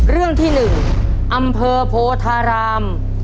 เรื่องที่๑อำเภอโพธาราม